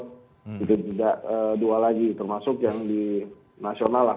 itu juga dua lagi termasuk yang di nasional lah